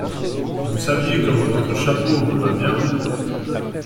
Si vous saviez comme votre chapeau vous va bien.